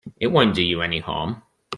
It won't do you any harm.